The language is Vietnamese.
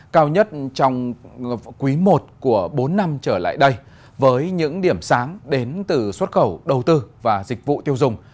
cao nhất trong quý i của bốn năm trở lại đây với những điểm sáng đến từ xuất khẩu đầu tư và dịch vụ tiêu dùng